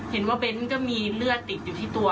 เห็นว่าเบ้นมันก็มีเลือดติดอยู่ที่ตัว